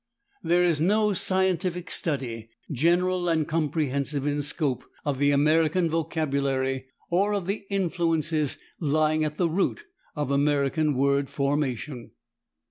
There is no scientific study, general and comprehensive in scope, of the American vocabulary, or of the influences lying at the root of American word formation.